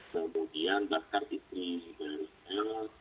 kemudian mabespol dari makassar